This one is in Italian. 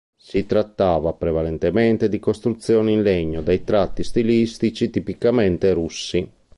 Si trattava prevalentemente di costruzioni in legno dai tratti stilistici tipicamente russi.